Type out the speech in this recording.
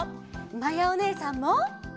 まやおねえさんも！